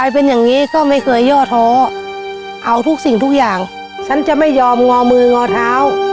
แผงหนึ่งค่ะ